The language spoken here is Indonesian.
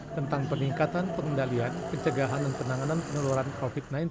tentang peningkatan pengendalian pencegahan dan penanganan penularan covid sembilan belas